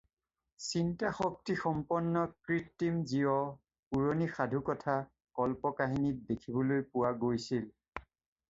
চিন্তাশক্তিসম্পন্ন কৃত্ৰিম জীৱ পুৰণি সাধুকথা, কল্প-কাহিনীত দেখিবলৈ পোৱা গৈছিল।